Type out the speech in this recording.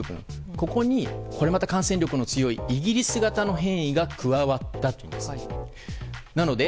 ここに、これまた感染力の強いイギリス型の変異が加わったというのです。